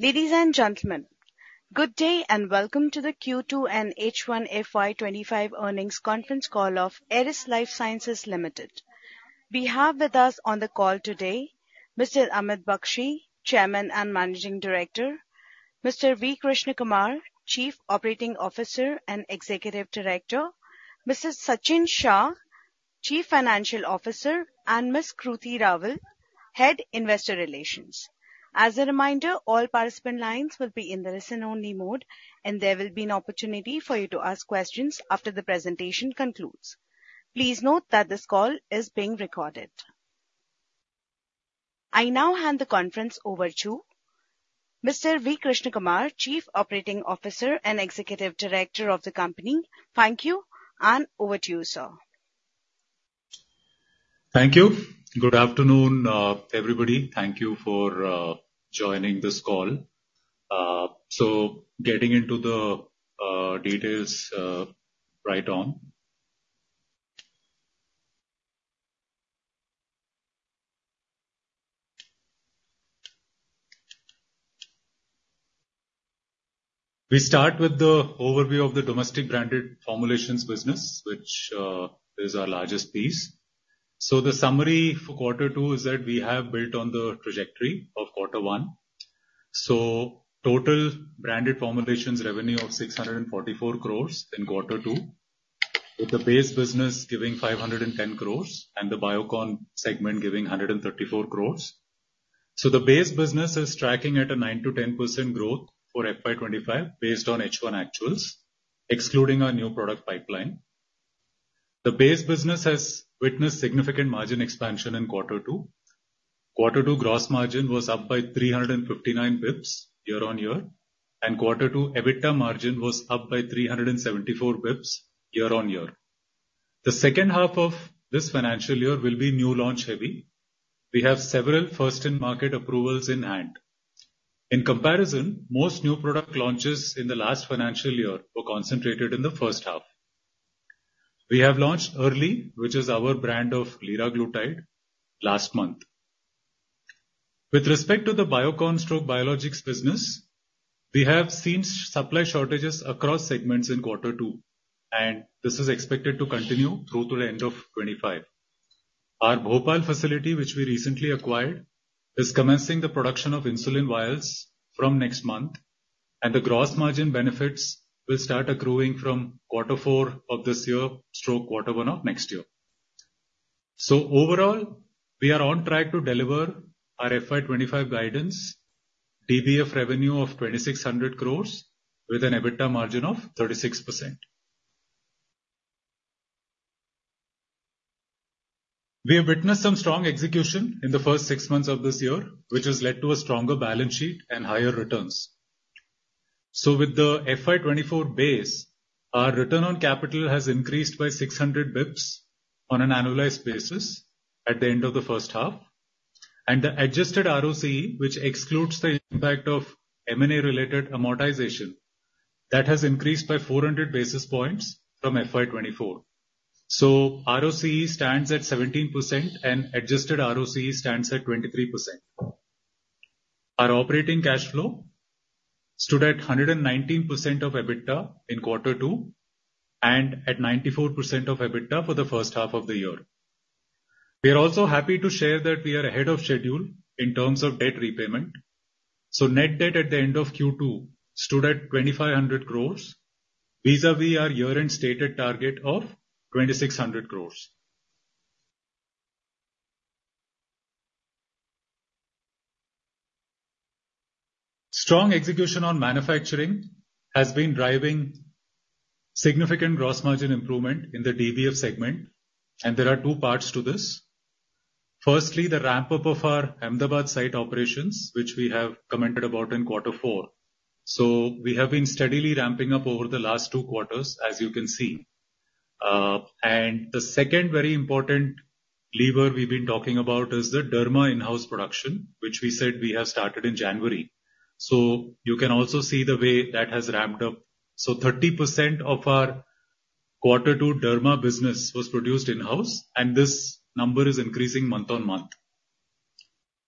Ladies and gentlemen, good day, and welcome to the Q2 and H1 FY '25 earnings conference call of Eris Lifesciences Limited. We have with us on the call today, Mr. Amit Bakshi, Chairman and Managing Director, Mr. V. Krishnakumar, Chief Operating Officer and Executive Director, Mr. Sachin Shah, Chief Financial Officer, and Ms. Kruti Rawal, Head, Investor Relations. As a reminder, all participant lines will be in the listen-only mode, and there will be an opportunity for you to ask questions after the presentation concludes. Please note that this call is being recorded. I now hand the conference over to Mr. V. Krishnakumar, Chief Operating Officer and Executive Director of the company. Thank you, and over to you, sir. Thank you. Good afternoon, everybody. Thank you for joining this call. So getting into the details, right on. We start with the overview of the domestic branded formulations business, which is our largest piece. So the summary for quarter two is that we have built on the trajectory of quarter one. So total branded formulations revenue of 644 crores in quarter two, with the base business giving 510 crores and the Biocon segment giving 134 crores. So the base business is tracking at a 9%-10% growth for FY 2025, based on H1 actuals, excluding our new product pipeline. The base business has witnessed significant margin expansion in quarter two. Quarter two gross margin was up by three hundred and fifty-nine basis points year-on-year, and quarter two EBITDA margin was up by three hundred and seventy-four basis points year-on-year. The second half of this financial year will be new launch heavy. We have several first-in-market approvals in hand. In comparison, most new product launches in the last financial year were concentrated in the first half. We have launched LiraFit, which is our brand of Liraglutide, last month. With respect to the Biocon's biologics business, we have seen supply shortages across segments in quarter two, and this is expected to continue through to the end of 2025. Our Bavla facility, which we recently acquired, is commencing the production of insulin vials from next month, and the gross margin benefits will start accruing from quarter four of this year, or quarter one of next year. Overall, we are on track to deliver our FY 2025 guidance, DBF revenue of 2,600 crores with an EBITDA margin of 36%. We have witnessed some strong execution in the first six months of this year, which has led to a stronger balance sheet and higher returns. So with the FY 2024 base, our return on capital has increased by 600 basis points on an annualized basis at the end of the first half, and the adjusted ROCE, which excludes the impact of M&A-related amortization, that has increased by 400 basis points from FY 2024. So ROCE stands at 17%, and adjusted ROCE stands at 23%. Our operating cash flow stood at 119% of EBITDA in quarter two and at 94% of EBITDA for the first half of the year. We are also happy to share that we are ahead of schedule in terms of debt repayment, so net debt at the end of Q2 stood at 2,500 crores, vis-à-vis our year-end stated target of 2,600 crores. Strong execution on manufacturing has been driving significant gross margin improvement in the DBF segment, and there are two parts to this. Firstly, the ramp-up of our Ahmedabad site operations, which we have commented about in quarter four. So we have been steadily ramping up over the last two quarters, as you can see. And the second very important lever we've been talking about is the Derma in-house production, which we said we have started in January. So you can also see the way that has ramped up. So 30% of our quarter two Derma business was produced in-house, and this number is increasing month on month.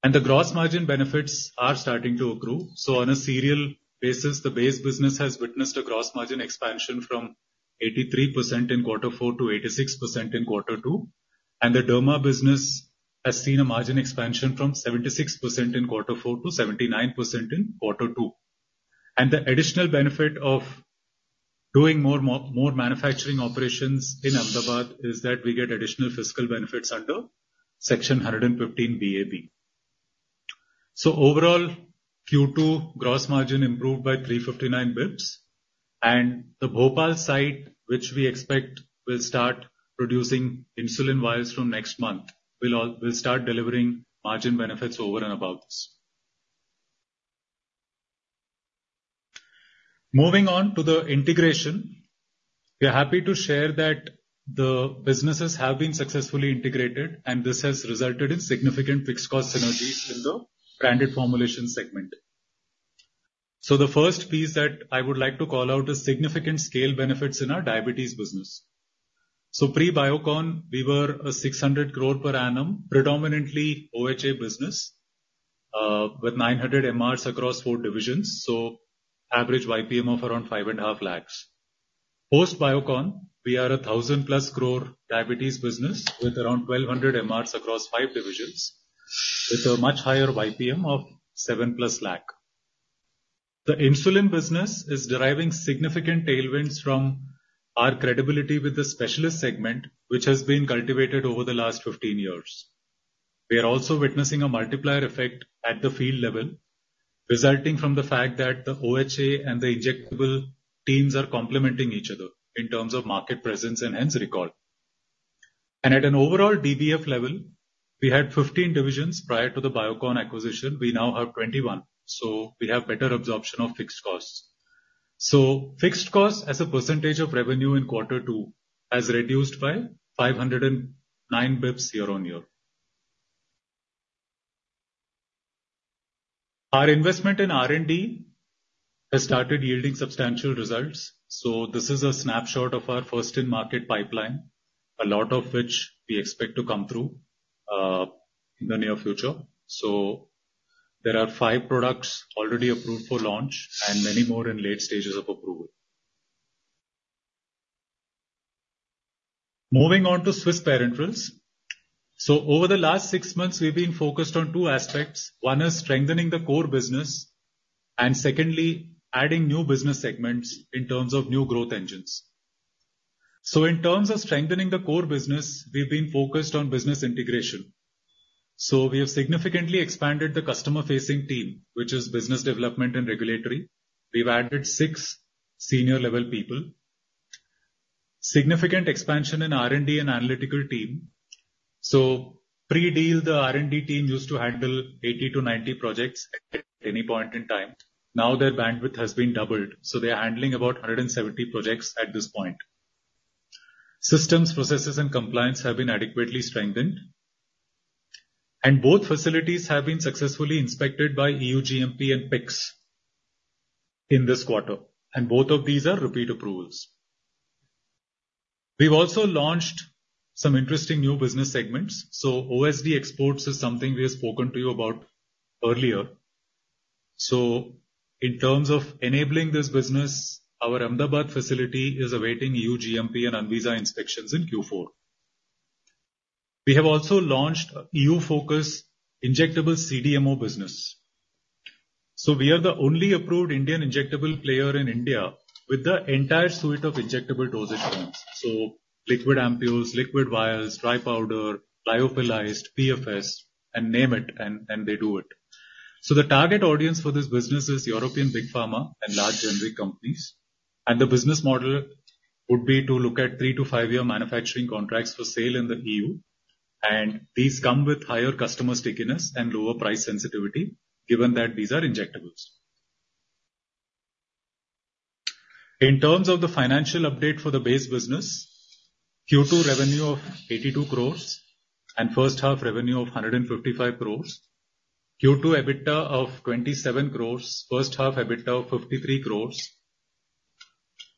The gross margin benefits are starting to accrue, so on a serial basis, the base business has witnessed a gross margin expansion from 83% in quarter four to 86% in quarter two, and the Derma business has seen a margin expansion from 76% in quarter four to 79% in quarter two. The additional benefit of doing more manufacturing operations in Ahmedabad is that we get additional fiscal benefits under Section 115BAB. Overall, Q2 gross margin improved by 359 basis points, and the Bhopal site, which we expect will start producing insulin vials from next month, will start delivering margin benefits over and above this. Moving on to the integration, we are happy to share that the businesses have been successfully integrated, and this has resulted in significant fixed cost synergies in the branded formulation segment. The first piece that I would like to call out is significant scale benefits in our diabetes business. Pre-Biocon, we were an 600 crore per annum, predominantly OHA business with 900 MRs across four divisions, so average YPM of around 5.5 lakhs. Post-Biocon, we are a 1,000-plus crore diabetes business with around 1,200 MRs across five divisions, with a much higher YPM of 7-plus lakh. The insulin business is deriving significant tailwinds from our credibility with the specialist segment, which has been cultivated over the last 15 years. We are also witnessing a multiplier effect at the field level, resulting from the fact that the OHA and the injectable teams are complementing each other in terms of market presence and brand recall. At an overall DBF level, we had 15 divisions prior to the Biocon acquisition. We now have 21, so we have better absorption of fixed costs. Fixed costs as a percentage of revenue in quarter two has reduced by 509 basis points year-on-year. Our investment in R&D has started yielding substantial results. This is a snapshot of our first-in-market pipeline, a lot of which we expect to come through in the near future. There are five products already approved for launch and many more in late stages of approval. Moving on to Swiss Parenterals. Over the last six months, we've been focused on two aspects. One is strengthening the core business, and secondly, adding new business segments in terms of new growth engines. In terms of strengthening the core business, we've been focused on business integration. We have significantly expanded the customer-facing team, which is business development and regulatory. We have added six senior-level people. There was significant expansion in R&D and analytical team. Pre-deal, the R&D team used to handle 80-90 projects at any point in time. Now, their bandwidth has been doubled, so they are handling about 170 projects at this point. Systems, processes, and compliance have been adequately strengthened, and both facilities have been successfully inspected by EU GMP and PIC/S in this quarter, and both of these are repeat approvals. We have also launched some interesting new business segments, so OSD exports is something we have spoken to you about earlier. In terms of enabling this business, our Ahmedabad facility is awaiting EU GMP and ANVISA inspections in Q4. We have also launched a EU-focused injectable CDMO business. We are the only approved Indian injectable player in India with the entire suite of injectable dosage forms. Liquid ampoules, liquid vials, dry powder, lyophilized, PFS, and name it, and they do it. The target audience for this business is European Big Pharma and large generic companies, and the business model would be to look at three to five-year manufacturing contracts for sale in the EU, and these come with higher customer stickiness and lower price sensitivity, given that these are injectables. In terms of the financial update for the base business, Q2 revenue of 82 crores and first half revenue of 155 crores. Q2 EBITDA of 27 crores, first half EBITDA of 53 crores.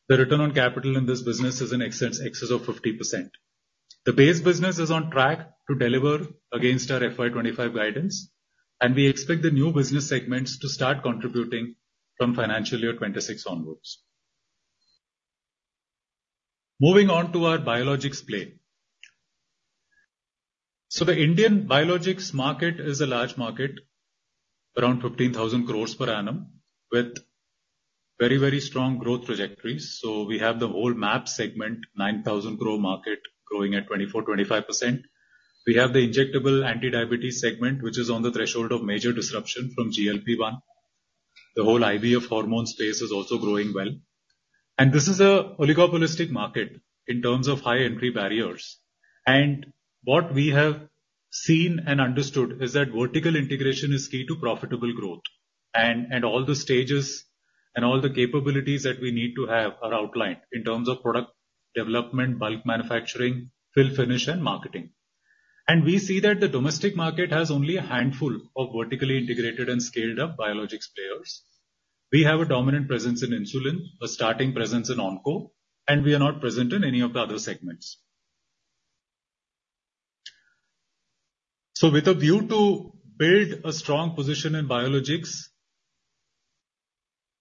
The return on capital in this business is in excess of 50%. The base business is on track to deliver against our FY 2025 guidance, and we expect the new business segments to start contributing from financial year 2026 onwards. Moving on to our biologics play. So the Indian biologics market is a large market, around 15,000 crores per annum, with very, very strong growth trajectories. So we have the whole mAbs segment, 9,000 crore market, growing at 24-25%. We have the injectable anti-diabetes segment, which is on the threshold of major disruption from GLP-1. The whole IVF hormone space is also growing well. And this is an oligopolistic market in terms of high entry barriers, and what we have seen and understood is that vertical integration is key to profitable growth. And all the stages and all the capabilities that we need to have are outlined in terms of product development, bulk manufacturing, fill finish, and marketing. And we see that the domestic market has only a handful of vertically integrated and scaled-up biologics players. We have a dominant presence in insulin, a starting presence in onco, and we are not present in any of the other segments. So with a view to build a strong position in biologics,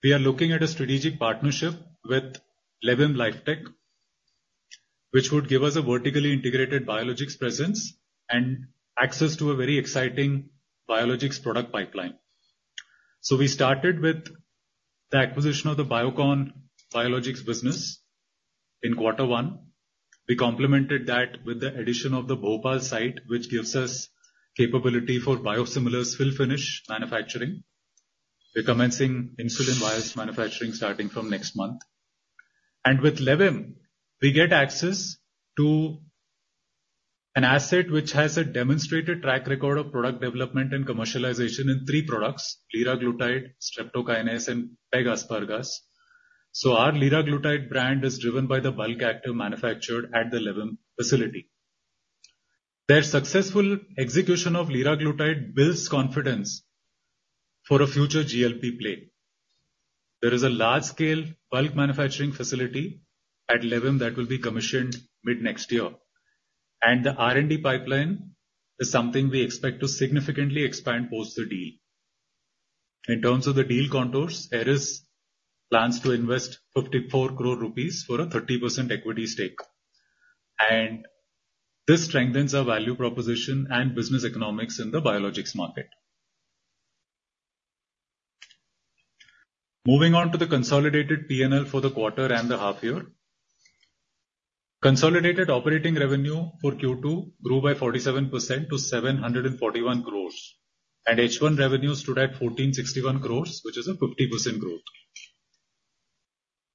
we are looking at a strategic partnership with Levim Biotech, which would give us a vertically integrated biologics presence and access to a very exciting biologics product pipeline. So we started with the acquisition of the Biocon biologics business in quarter one. We complemented that with the addition of the Bhopal site, which gives us capability for biosimilars fill finish manufacturing. We're commencing insulin vials manufacturing starting from next month. And with Levim, we get access to an asset which has a demonstrated track record of product development and commercialization in three products: liraglutide, streptokinase, and pegaspargase. So our liraglutide brand is driven by the bulk active manufacturer at the Levim facility. Their successful execution of liraglutide builds confidence for a future GLP play. There is a large-scale bulk manufacturing facility at Levim that will be commissioned mid-next year, and the R&D pipeline is something we expect to significantly expand post the deal. In terms of the deal contours, Eris plans to invest 54 crore rupees for a 30% equity stake, and this strengthens our value proposition and business economics in the biologics market. Moving on to the consolidated PNL for the quarter and the half year. Consolidated operating revenue for Q2 grew by 47% to 741 crores, and H1 revenue stood at 1,461 crores, which is a 50% growth.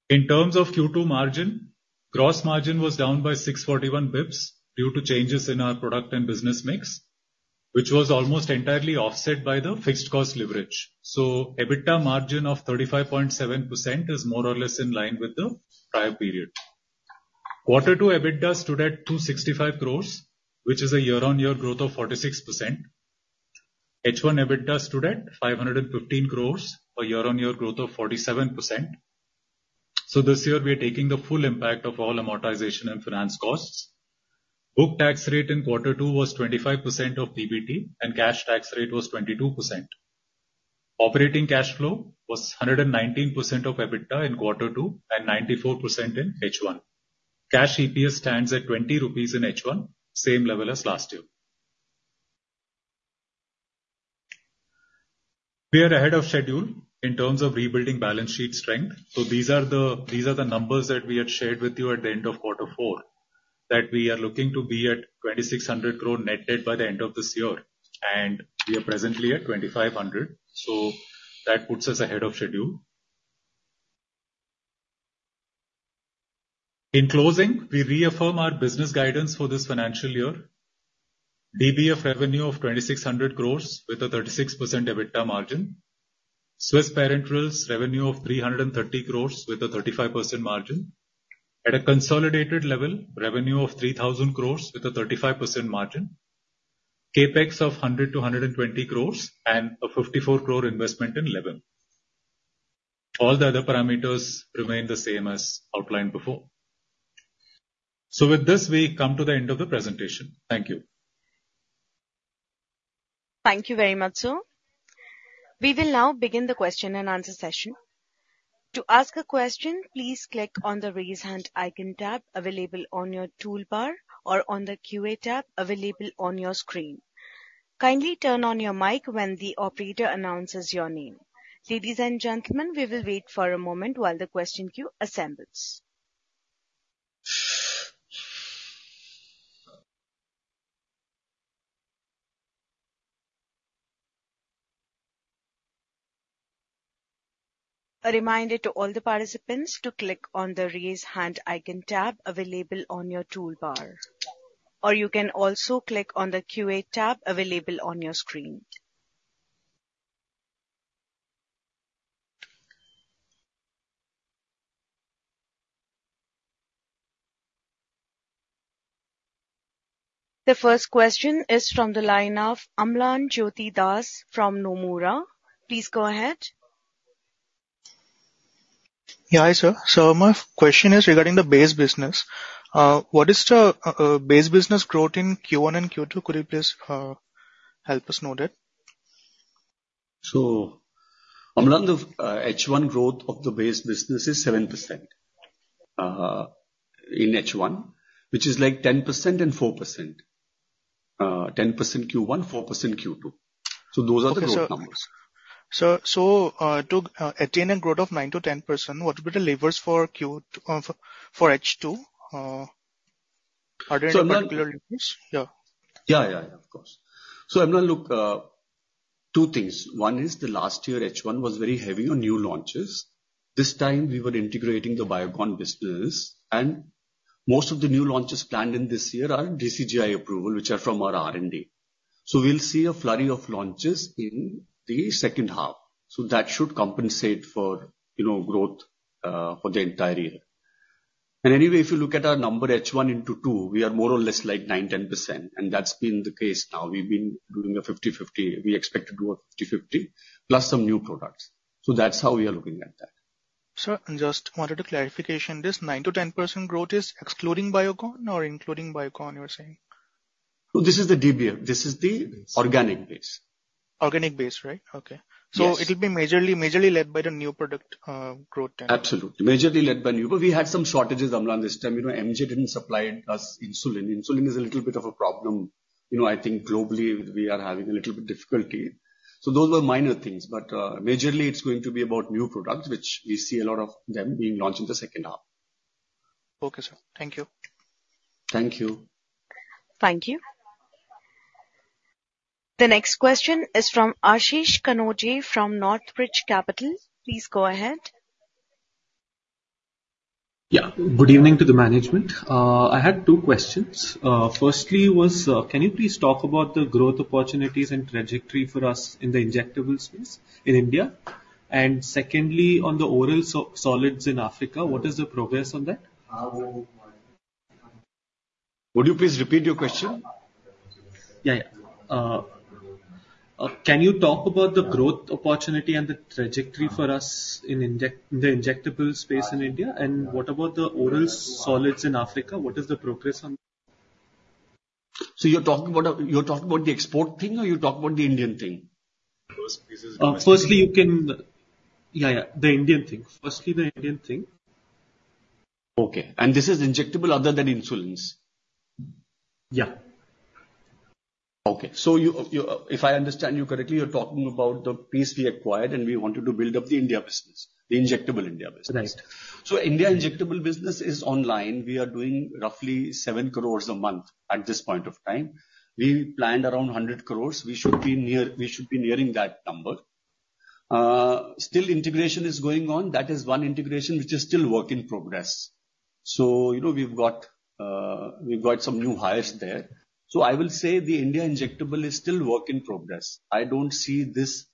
In terms of Q2 margin, gross margin was down by 641 basis points due to changes in our product and business mix, which was almost entirely offset by the fixed cost leverage. So EBITDA margin of 35.7% is more or less in line with the prior period. Quarter two, EBITDA stood at 265 crores, which is a year-on-year growth of 46%. H1 EBITDA stood at 515 crores, a year-on-year growth of 47%. So this year we are taking the full impact of all amortization and finance costs. Book tax rate in quarter two was 25% of PBT, and cash tax rate was 22%. Operating cash flow was 119% of EBITDA in quarter two and 94% in H1. Cash EPS stands at 20 rupees in H1, same level as last year. We are ahead of schedule in terms of rebuilding balance sheet strength, so these are the numbers that we had shared with you at the end of quarter four, that we are looking to be at 2,600 crore net debt by the end of this year, and we are presently at 2,500, so that puts us ahead of schedule. In closing, we reaffirm our business guidance for this financial year. DBF revenue of 2,600 crore with a 36% EBITDA margin. Swiss Parenterals revenue of 330 crore with a 35% margin. At a consolidated level, revenue of 3,000 crore with a 35% margin. CapEx of 100-120 crores and a 54 crore investment in Levim. All the other parameters remain the same as outlined before. So with this, we come to the end of the presentation. Thank you. Thank you very much, sir. We will now begin the question-and-answer session. To ask a question, please click on the Raise Hand icon tab available on your toolbar or on the QA tab available on your screen. Kindly turn on your mic when the operator announces your name. Ladies and gentlemen, we will wait for a moment while the question queue assembles. A reminder to all the participants to click on the Raise Hand icon tab available on your toolbar, or you can also click on the QA tab available on your screen. The first question is from the line of Amlan Jyoti Das from Nuvama. Please go ahead. Yeah. Hi, sir. So my question is regarding the base business. What is the base business growth in Q1 and Q2? Could you please help us know that? So, Amlan, the H1 growth of the base business is 7% in H1, which is like 10% and 4%. 10% Q1, 4% Q2. So those are the growth numbers. Okay, sir. So, to attain a growth of 9-10%, what will be the levers for Q2 for H2? Are there any particular levers? So Amlan- Yeah. Yeah, yeah, yeah, of course. So Amlan, look, two things. One is the last year, H1, was very heavy on new launches. This time, we were integrating the Biocon business, and most of the new launches planned in this year are DCGI approval, which are from our R&D. So we'll see a flurry of launches in the second half. So that should compensate for, you know, growth, for the entire year. And anyway, if you look at our number, H1 and H2, we are more or less like 9-10%, and that's been the case now. We've been doing a fifty-fifty. We expect to do a fifty-fifty, plus some new products. So that's how we are looking at that. Sir, I just wanted a clarification. This 9%-10% growth is excluding Biocon or including Biocon, you are saying? This is the DBF. This is the organic base. Organic base, right? Okay. Yes. It will be majorly, majorly led by the new product growth then? Absolutely. Majorly led by new, but we had some shortages, Amlan, this time. You know, MJ didn't supply us insulin. Insulin is a little bit of a problem. You know, I think globally, we are having a little bit difficulty. So those were minor things, but majorly it's going to be about new products, which we see a lot of them being launched in the second half. Okay, sir. Thank you. Thank you. Thank you. The next question is from Ashish Kanojia from North Rock Capital. Please go ahead. Yeah. Good evening to the management. I had two questions. Firstly, can you please talk about the growth opportunities and trajectory for us in the injectables space in India? And secondly, on the oral solids in Africa, what is the progress on that? Would you please repeat your question? Yeah, yeah. Can you talk about the growth opportunity and the trajectory for us in the injectable space in India, and what about the oral solids in Africa? What is the progress on? So you're talking about the export thing or you're talking about the Indian thing? First, this is- Firstly, the Indian thing. Okay, and this is injectable other than insulins? Yeah. Okay. So you, if I understand you correctly, you're talking about the piece we acquired, and we wanted to build up the India business, the injectable India business. Right. So India injectable business is online. We are doing roughly 7 crore a month at this point of time. We planned around 100 crore. We should be near, we should be nearing that number. Still integration is going on. That is one integration which is still work in progress. So you know, we've got, we've got some new hires there. So I will say the India injectable is still work in progress. I don't see this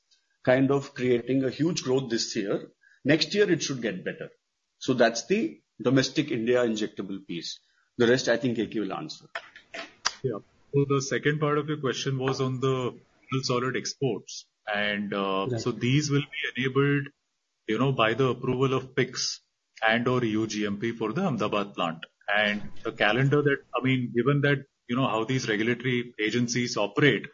kind of creating a huge growth this year. Next year, it should get better. So that's the domestic India injectable piece. The rest, I think, KK will answer. Yeah. So the second part of your question was on the oral solid exports. Right. And so these will be enabled, you know, by the approval of PIC/S and/or EU-GMP for the Ahmedabad plant. The calendar that, I mean, given that, you know, how these regulatory agencies operate,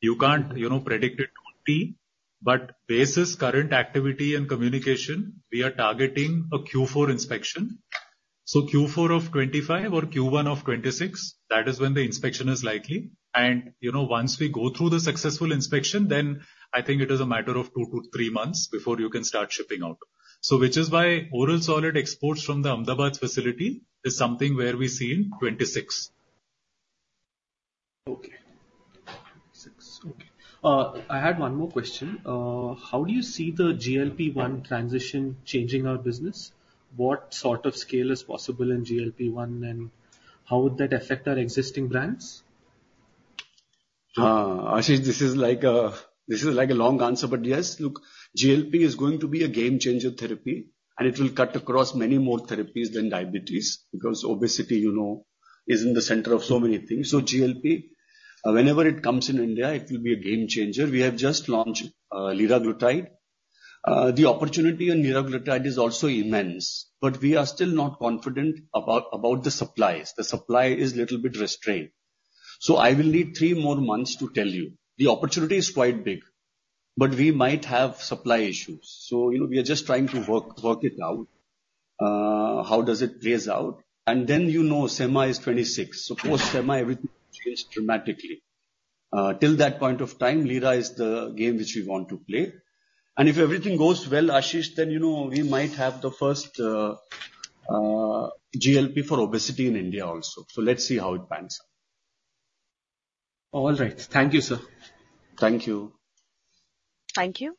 you can't, you know, predict it to a T, but basis current activity and communication, we are targeting a Q4 inspection. So Q4 of 2025 or Q1 of 2026, that is when the inspection is likely. And, you know, once we go through the successful inspection, then I think it is a matter of two to three months before you can start shipping out. So which is why oral solid exports from the Ahmedabad facility is something where we see in 2026. Okay. Twenty-six. Okay. I had one more question. How do you see the GLP-1 transition changing our business? What sort of scale is possible in GLP-1, and how would that affect our existing brands? Ashish, this is like a long answer, but yes. Look, GLP is going to be a game-changer therapy, and it will cut across many more therapies than diabetes, because obesity, you know, is in the center of so many things. So GLP, whenever it comes in India, it will be a game changer. We have just launched liraglutide. The opportunity on liraglutide is also immense, but we are still not confident about the supplies. The supply is little bit restrained. So I will need three more months to tell you. The opportunity is quite big, but we might have supply issues. So, you know, we are just trying to work it out, how does it plays out? And then, you know, Sema is 'twenty-six. So post-Sema, everything will change dramatically. Till that point of time, Lira is the game which we want to play. And if everything goes well, Ashish, then, you know, we might have the first GLP for obesity in India also. So let's see how it pans out. All right. Thank you, sir. Thank you. Thank you.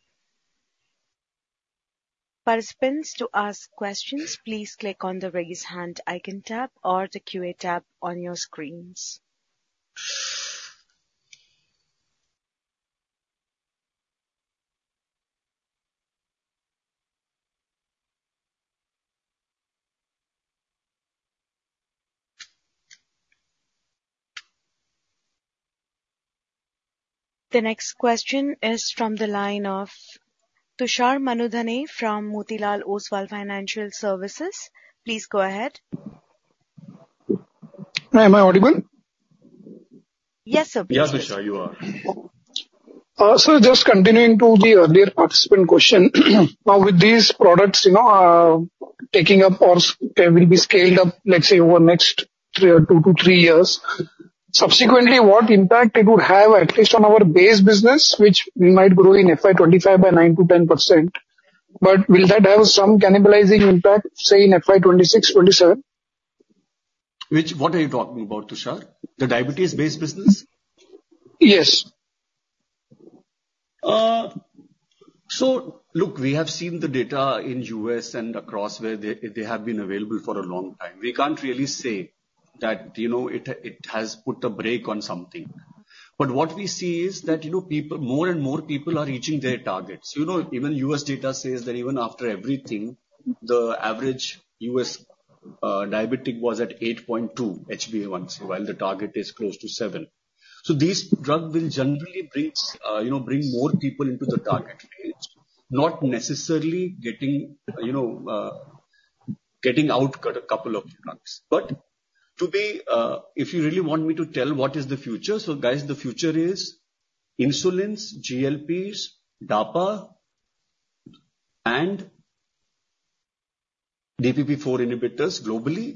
Participants, to ask questions, please click on the Raise Hand icon tab or the QA tab on your screens. The next question is from the line of Tushar Manudhane from Motilal Oswal Financial Services. Please go ahead. Am I audible? Yes, sir. Yes, Tushar, you are. So just continuing to the earlier participant question, now with these products, you know, taking up or will be scaled up, let's say, over the next three or two to three years, subsequently, what impact it would have, at least on our base business, which we might grow in FY 2025 by 9%-10%, but will that have some cannibalizing impact, say, in FY 2026, 2027? What are you talking about, Tushar? The diabetes-based business? Yes. So look, we have seen the data in U.S. and across where they have been available for a long time. We can't really say that, you know, it has put a brake on something. But what we see is that, you know, people, more and more people are reaching their targets. You know, even U.S. data says that even after everything, the average U.S. diabetic was at 8.2 HbA1c, while the target is close to seven. So these drugs will generally brings, you know, bring more people into the target range, not necessarily getting, you know, getting out a couple of drugs. But to be, if you really want me to tell what is the future, so guys, the future is insulins, GLPs, Dapa, and DPP4 inhibitors globally.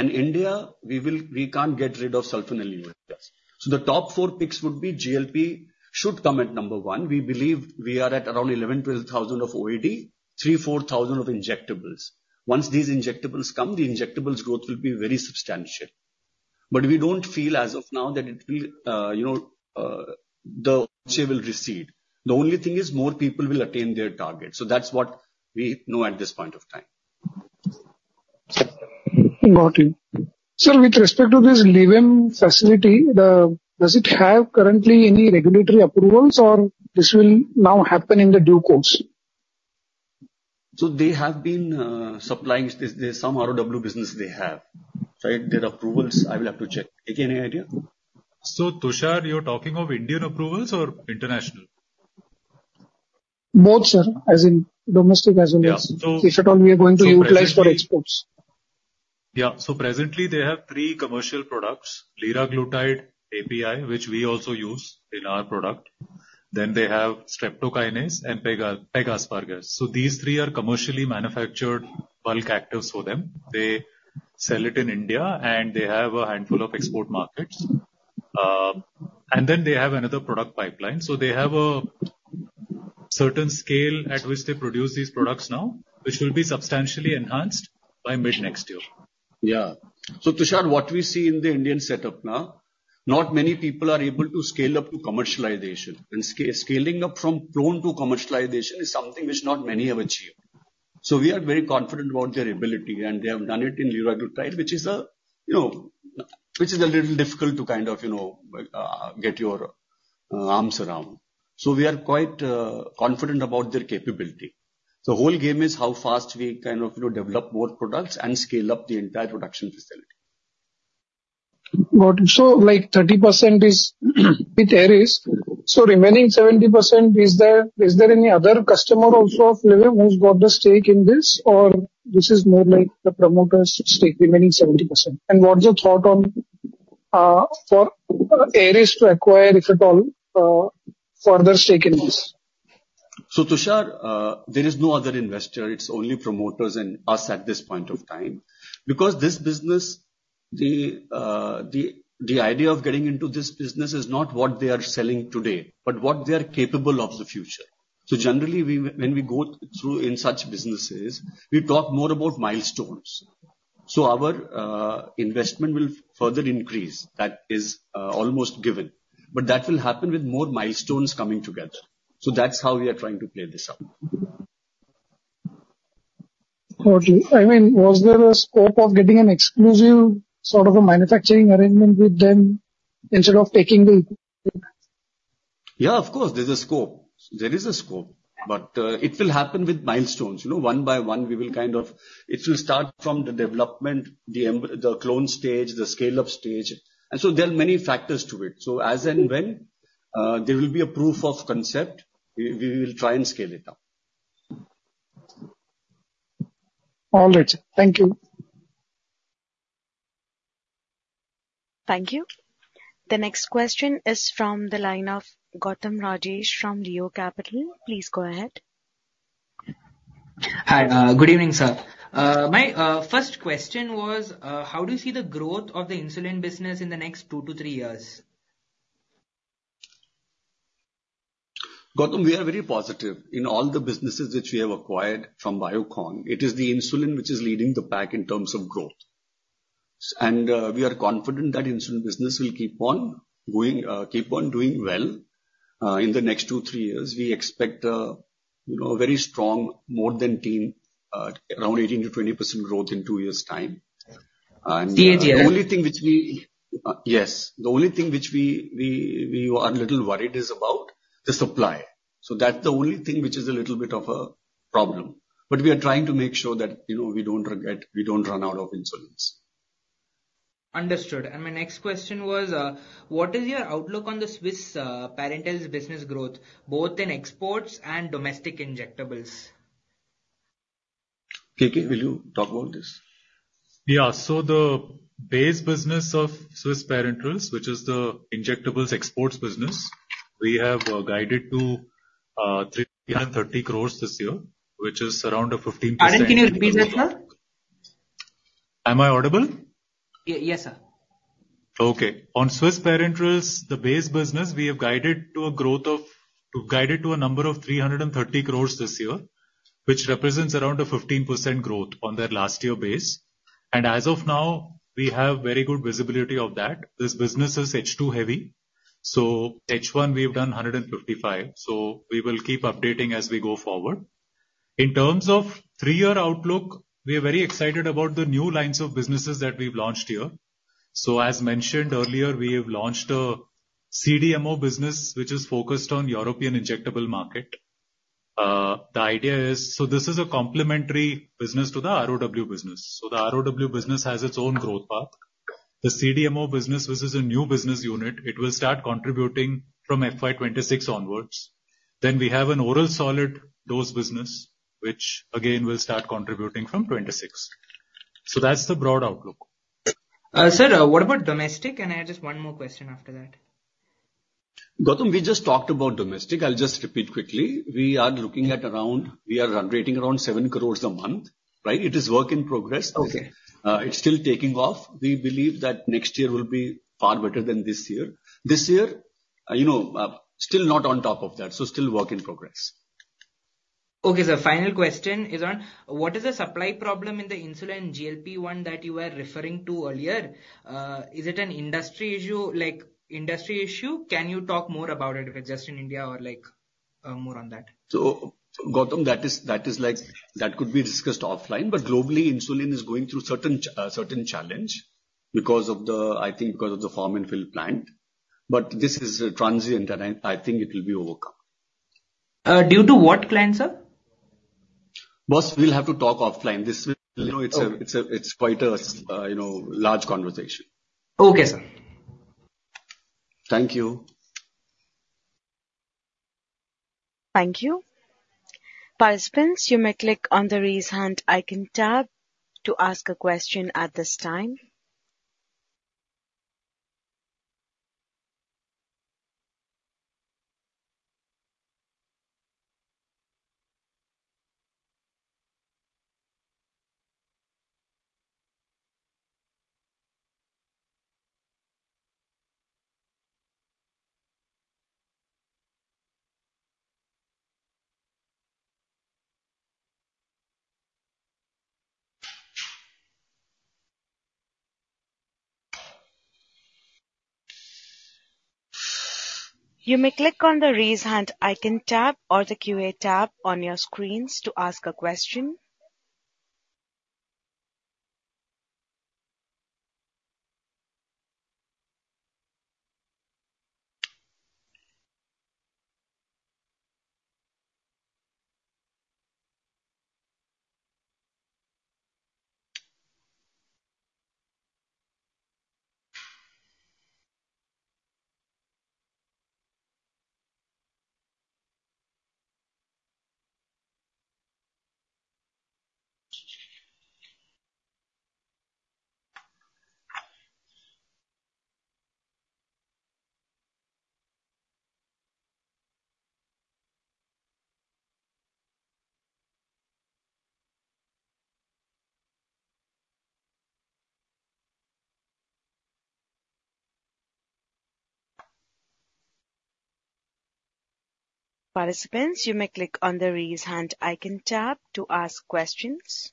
And India, we will- we can't get rid of sulfonylureas. The top four picks would be GLP, should come at number one. We believe we are at around 11-12 thousand of OAD, 3-4 thousand of injectables. Once these injectables come, the injectables growth will be very substantial. But we don't feel as of now that it will, you know, it will recede. The only thing is more people will attain their target. That's what we know at this point of time. ... Got you. Sir, with respect to this Levim facility, does it have currently any regulatory approvals, or this will now happen in due course? So they have been supplying this, there's some ROW business they have, right? Their approvals, I will have to check. KK, any idea? So, Tushar, you're talking of Indian approvals or international? Both, sir, as in domestic, as in- Yeah, so- If at all, we are going to utilize for exports. Yeah. So presently, they have three commercial products: liraglutide API, which we also use in our product, then they have streptokinase and pegaspargase. So these three are commercially manufactured bulk actives for them. They sell it in India, and they have a handful of export markets. And then they have another product pipeline. So they have a certain scale at which they produce these products now, which will be substantially enhanced by mid-next year. Yeah. So, Tushar, what we see in the Indian setup now, not many people are able to scale up to commercialization, and scaling up from clone to commercialization is something which not many have achieved. So we are very confident about their ability, and they have done it in liraglutide, which is a, you know, which is a little difficult to kind of, you know, get your arms around. So we are quite confident about their capability. The whole game is how fast we kind of, you know, develop more products and scale up the entire production facility. Got it. So, like, 30% is with Eris. So remaining 70%, is there any other customer also of Levim who's got the stake in this? Or this is more like the promoter's stake, remaining 70%. And what's your thought on for Eris to acquire, if at all, further stake in this? So, Tushar, there is no other investor. It's only promoters and us at this point of time, because this business, the idea of getting into this business is not what they are selling today, but what they are capable of the future. So generally, when we go through in such businesses, we talk more about milestones. So our investment will further increase. That is almost given. But that will happen with more milestones coming together. So that's how we are trying to play this out. Got you. I mean, was there a scope of getting an exclusive sort of a manufacturing arrangement with them instead of taking the...? Yeah, of course, there's a scope. There is a scope, but it will happen with milestones. You know, one by one, we will kind of. It will start from the development, the clone stage, the scale-up stage, and so there are many factors to it. So as and when there will be a proof of concept, we will try and scale it up. All right, sir. Thank you. Thank you. The next question is from the line of Gautam Rajesh from Rio Capital. Please go ahead. Hi, good evening, sir. My first question was, how do you see the growth of the insulin business in the next two to three years? Gautam, we are very positive. In all the businesses that we have acquired from Biocon, it is the insulin which is leading the pack in terms of growth. And, we are confident that insulin business will keep on going, keep on doing well. In the next two, three years, we expect a, you know, very strong, more than ten, around 18%-20% growth in two years' time. And- The At the The only thing which we are a little worried about is the supply. So that's the only thing which is a little bit of a problem. But we are trying to make sure that, you know, we don't run out of insulins. Understood. And my next question was, what is your outlook on the Swiss Parenterals' business growth, both in exports and domestic injectables? KK, will you talk about this? Yeah. So the base business of Swiss Parenterals, which is the injectables exports business, we have guided to 330 crores this year, which is around 15%- Pardon, can you repeat, sir? Am I audible? Yes, sir. Okay. On Swiss Parenterals, the base business, we have guided to a number of 330 crores this year, which represents around a 15% growth on their last year base, and as of now, we have very good visibility of that. This business is H2 heavy, so H1, we've done 155, so we will keep updating as we go forward. In terms of three-year outlook, we are very excited about the new lines of businesses that we've launched here. As mentioned earlier, we have launched a CDMO business, which is focused on European injectable market. The idea is, this is a complementary business to the ROW business. The ROW business has its own growth path. The CDMO business, this is a new business unit. It will start contributing from FY 2026 onwards. Then we have an oral solid dosage business, which again, will start contributing from 2026. So that's the broad outlook. Sir, what about domestic? And I have just one more question after that. Gautam, we just talked about domestic. I'll just repeat quickly. We are looking at around seven crores a month, right? It is work in progress. Okay. It's still taking off. We believe that next year will be far better than this year. This year, you know, still not on top of that, so still work in progress. Okay, sir. Final question is on, what is the supply problem in the insulin GLP-1 that you were referring to earlier? Is it an industry issue? Can you talk more about it, if it's just in India or like, more on that. Gautam, that is, that is like, that could be discussed offline, but globally, insulin is going through certain challenge because of the form and fill plant. But this is transient, and I think it will be overcome. Due to what client, sir? Boss, we'll have to talk offline. This will, you know, it's a, it's quite a, you know, large conversation. Okay, sir. Thank you. Thank you. Participants, you may click on the Raise Hand icon tab to ask a question at this time. You may click on the Raise Hand icon tab or the QA tab on your screens to ask a question. Participants, you may click on the Raise Hand icon tab to ask questions.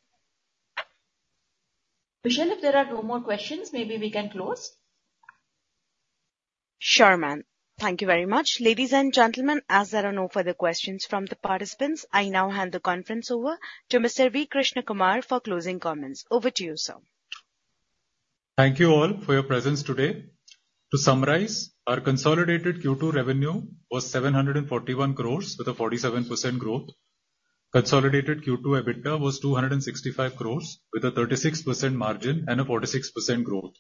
Vishal, if there are no more questions, maybe we can close. Sure, ma'am. Thank you very much. Ladies and gentlemen, as there are no further questions from the participants, I now hand the conference over to Mr. V. Krishnakumar for closing comments. Over to you, sir. Thank you all for your presence today. To summarize, our consolidated Q2 revenue was 741 crores with a 47% growth. Consolidated Q2 EBITDA was 265 crores, with a 36% margin and a 46% growth.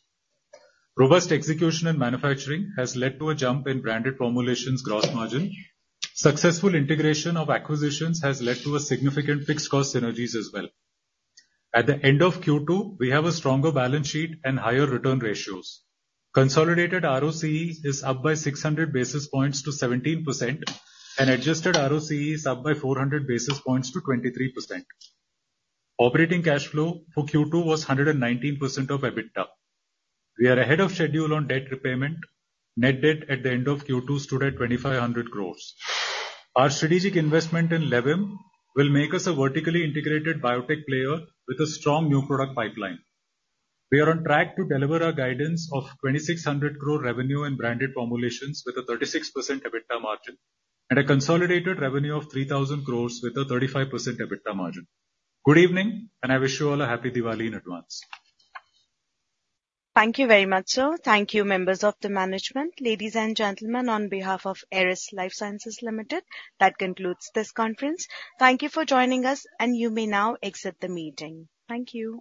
Robust execution and manufacturing has led to a jump in branded formulations gross margin. Successful integration of acquisitions has led to a significant fixed cost synergies as well. At the end of Q2, we have a stronger balance sheet and higher return ratios. Consolidated ROCE is up by 600 basis points to 17%, and adjusted ROCE is up by 400 basis points to 23%. Operating cash flow for Q2 was 119% of EBITDA. We are ahead of schedule on debt repayment. Net debt at the end of Q2 stood at 2,500 crores. Our strategic investment in Levim will make us a vertically integrated biotech player with a strong new product pipeline. We are on track to deliver our guidance of 2,600 crore revenue and branded formulations with a 36% EBITDA margin and a consolidated revenue of 3,000 crores with a 35% EBITDA margin. Good evening, and I wish you all a happy Diwali in advance. Thank you very much, sir. Thank you, members of the management. Ladies and gentlemen, on behalf of Eris Lifesciences Limited, that concludes this conference. Thank you for joining us, and you may now exit the meeting. Thank you.